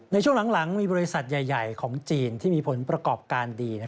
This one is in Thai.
ในช่วงหลังมีบริษัทใหญ่ของจีนที่มีผลประกอบการดี